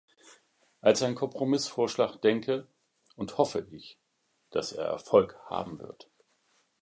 Als ein Kompromissvorschlag denke und hoffe ich, dass er Erfolg haben wird.